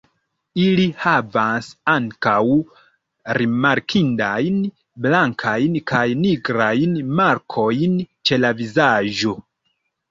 Ili havas ankaŭ rimarkindajn blankajn kaj nigrajn markojn ĉe la vizaĝo.